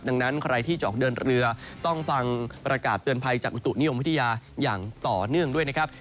ดังนั้นใครที่จะออกเดินเรือต้องฟังประกาศเตือนภัยจากอุตุนิยมวิทยาอย่างต่อเนื่องด้วยนะครับ